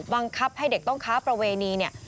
บังคับให้เด็กต้องค้าประเวณีเนี่ย